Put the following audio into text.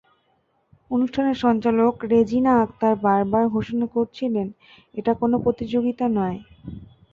অনুষ্ঠানের সঞ্চালক রেজিনা আখতার বারবার ঘোষণা করছিলেন এটা কোনো প্রতিযোগিতা নয়।